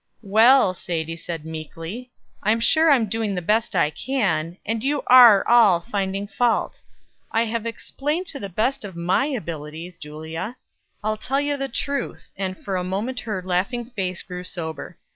"Well," said Sadie, meekly, "I'm sure I'm doing the best I can; and you are all finding fault. I've explained to the best of my abilities Julia, I'll tell you the truth;" and for a moment her laughing face grew sober.